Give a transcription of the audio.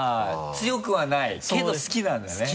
強くはないけど好きなんだね。